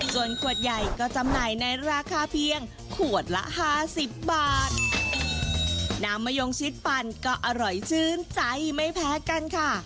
ส่วนขวดใหญ่ก็จำหน่ายในราคาเพียงขวดละห้าสิบบาทน้ำมะยงชิดปั่นก็อร่อยชื่นใจไม่แพ้กันค่ะ